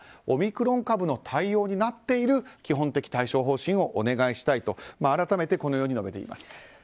オミクロン株の対応になっている基本的対処方針をお願いしたいと改めてこのように述べています。